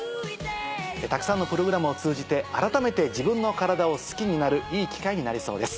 たくさんのプログラムを通じて改めて自分の体を好きになるいい機会になりそうです。